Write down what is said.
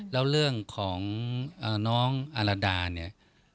แล้วเรื่องของน้องอารดาเนี่ย